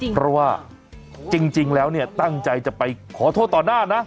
เพราะว่าจริงแล้วเนี่ยตั้งใจจะไปขอโทษต่อหน้านะ